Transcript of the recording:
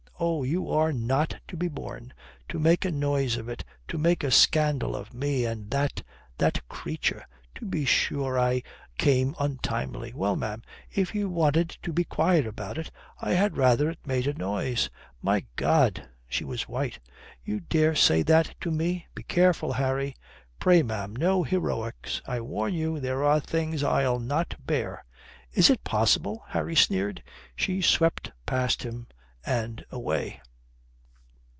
"Oh, you are not to be borne! To make a noise of it! To make a scandal of me and that that creature!" "To be sure, I came untimely. Well, ma'am, if you wanted to be quiet about it, I had rather it made a noise." "My God!" she was white. "You dare say that to me! Be careful, Harry." "Pray, ma'am, no heroics." "I warn you, there are things I'll not bear." "Is it possible?" Harry sneered. She swept past him and away.